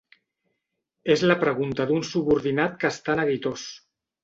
És la pregunta d'un subordinat que està neguitós.